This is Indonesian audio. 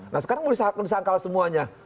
nah sekarang sudah disangkal semuanya